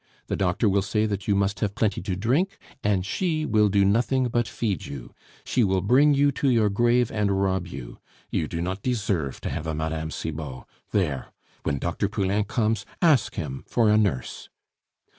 The doctor will say that you must have plenty to drink, and she will do nothing but feed you. She will bring you to your grave and rob you. You do not deserve to have a Mme. Cibot! there! When Dr. Poulain comes, ask him for a nurse."